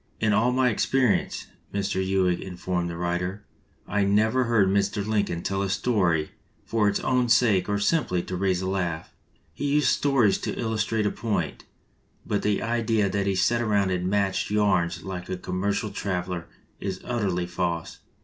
"In all my experience," Mr. Ewing informed the writer, "I never heard Mr. Lincoln tell a story for its own sake or simply to raise a laugh. He used stories to illustrate a point, but the idea that he sat around and matched yarns like a commer cial traveler is utterly false.